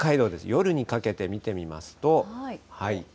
夜にかけて見てみますと。